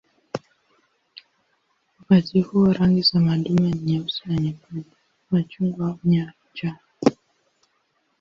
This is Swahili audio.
Wakati huo rangi za madume ni nyeusi na nyekundu, machungwa au njano.